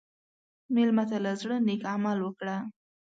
مېلمه ته له زړه نیک عمل وکړه.